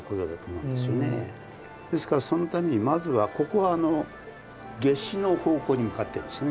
ですからそのためにまずはここは夏至の方向に向かってるんですよね